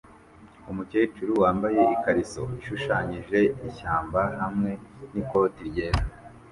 umukecuru wambaye ikariso ishushanyijeho ishyamba hamwe n'ikoti ryera